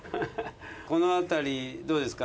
この辺りどうですか？